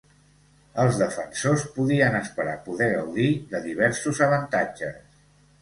Els defensors podien esperar poder gaudir de diversos avantatges.